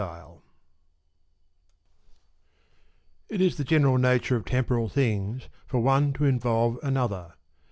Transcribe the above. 27 IT is the general nature of temporal things for one to t . involve another.